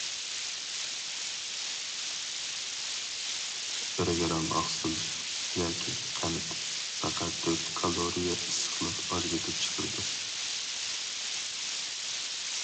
بىر گىرام ئاقسىل ياكى قەنت پەقەت تۆت كالورىيە ئىسسىقلىق ئاجرىتىپ چىقىرىدۇ.